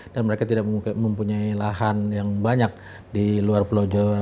dan mereka tidak mempunyai lahan yang banyak di luar pulau jawa